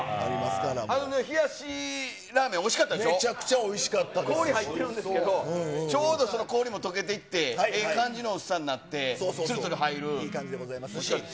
あのね、冷やしラーメンおいめちゃくちゃおいしかったで氷入ってるんですけど、ちょうどその氷もとけてって、ええ感じの薄さになって、つるついい感じでございます。